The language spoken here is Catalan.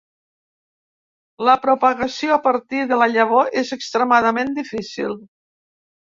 La propagació a partir de la llavor és extremadament difícil.